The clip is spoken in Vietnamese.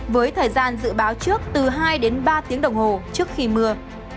với thời gian dự báo trước từ hai đến ba tiếng đồng hồ trước khi mưa